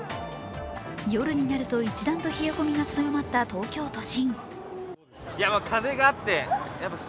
夜になると、一段と冷え込みが強まった東京都心。